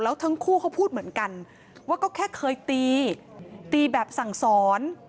แล้วทั้งคู่เขาพูดเหมือนกันว่าก็แค่เคยตีตีแบบสั่งสอน